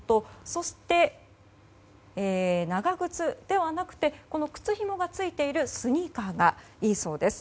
そして、長靴ではなくて靴ひもがついているスニーカーがいいそうです。